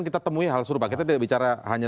kita temui hal serupa kita tidak bicara hanya